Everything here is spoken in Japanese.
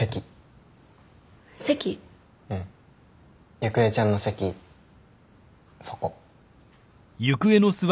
ゆくえちゃんの席そこ。